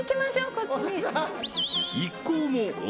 こっち？